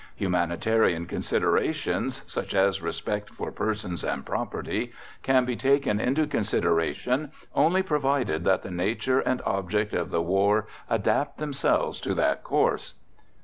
Humanitarian considerations, such as respect for persons and property, can be taken into consideration only provided that the nature and object of the war adapt themselves to that course.